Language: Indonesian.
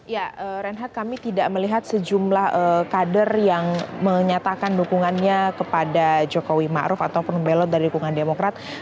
ya renhat kami tidak melihat sejumlah kader yang menyatakan dukungannya kepada jokowi ⁇ maruf ⁇ ataupun belot dari dukungan demokrat